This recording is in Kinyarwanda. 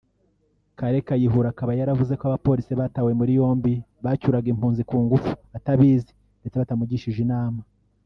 Kale Kayihura akaba yaravuze ko abapolisi batawe muri yombi bacyuraga impunzi ku ngufu atabizi ndetse batamugishije inama